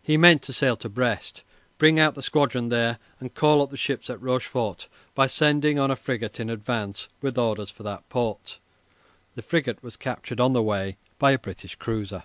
He meant to sail to Brest, bring out the squadron there, and call up the ships at Rochefort by sending on a frigate in advance with orders for that port. (The frigate was captured on the way by a British cruiser.)